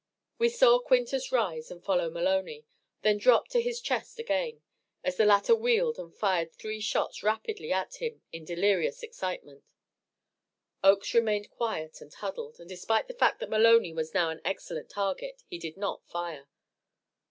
We saw Quintus rise and follow Maloney, then drop to his chest again, as the latter wheeled and fired three shots rapidly at him in delirious excitement. Oakes remained quiet and huddled, and despite the fact that Maloney was now an excellent target, he did not fire.